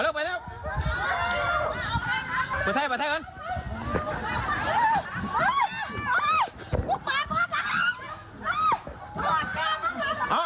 หนีควัญชัยครับถูกอุ้มขึ้นท้ายกระบะ